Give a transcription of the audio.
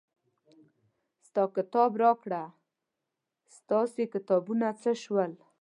ستا کتاب راکړه ستاسې کتابونه څه شول.